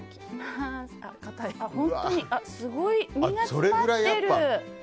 すごい身が詰まってる！